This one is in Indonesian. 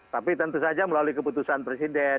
tapi tentu saja melalui keputusan presiden